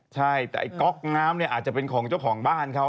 ใช่แต่ไอ้ก๊อกน้ำเนี่ยอาจจะเป็นของเจ้าของบ้านเขา